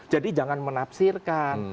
jadi jangan menafsirkan